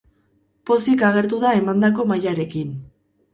Pozik agertu da emandako mailarekin.